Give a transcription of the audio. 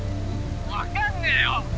☎分かんねえよ